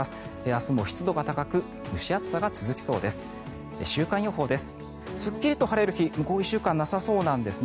明日も湿度が高く蒸し暑さが続きそうです。